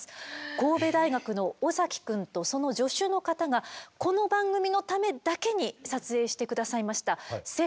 神戸大学の尾崎くんとその助手の方がこの番組のためだけに撮影して下さいました。